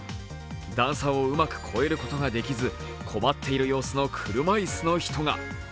段差をうまく超えることができず困っている様子の車いすの人が。